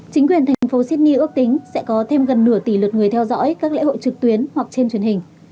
chính quyền thành phố sydney ước tính sẽ có thêm gần nửa tỷ lượt người theo dõi các lễ hội trực tuyến hoặc trên truyền hình